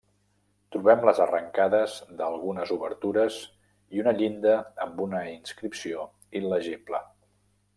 Trobem les arrencades d'algunes obertures i una llinda amb una inscripció il·legible.